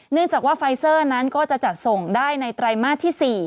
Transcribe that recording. เนื่องจากว่าไฟเซอร์นั้นก็จะจัดส่งได้ในไตรมาสที่๔